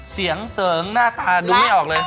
เสียงเสริงหน้าตาดูไม่ออกเลย